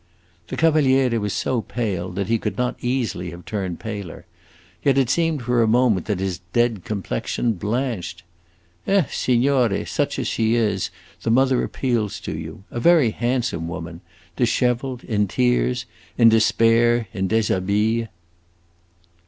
The Cavaliere was so pale that he could not easily have turned paler; yet it seemed for a moment that his dead complexion blanched. "Eh, signore, such as she is, the mother appeals to you. A very handsome woman disheveled, in tears, in despair, in dishabille!"